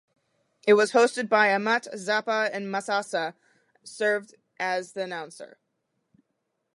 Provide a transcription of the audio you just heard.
It was hosted by Ahmet Zappa and Masasa served as the announcer.